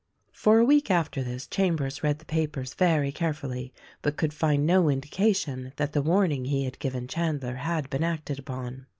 For a week after this Chambers read the papers very carefully, but could find no indication that the warning he had given Chandler had been acted upon.